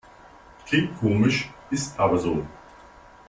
Klingt komisch, ist aber so.